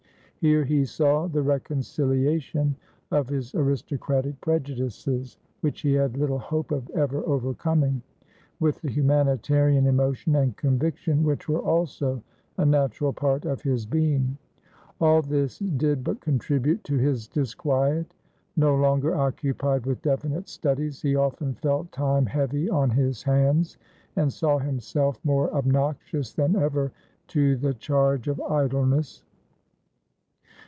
Here he saw the reconciliation of his aristocratic prejudiceswhich he had little hope of ever overcomingwith the humanitarian emotion and conviction which were also a natural part of his being. All this did but contribute to his disquiet. No longer occupied with definite studies, he often felt time heavy on his hands, and saw himself more obnoxious than ever to the charge of idleness.